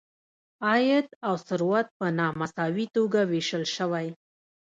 عاید او ثروت په نا مساوي توګه ویشل شوی.